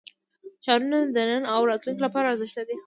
ښارونه د نن او راتلونکي لپاره ارزښت لري.